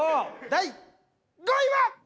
第５位は！？